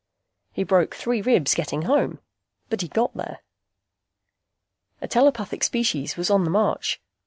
He broke three ribs getting home, but he got there. A telepathic species was on the march.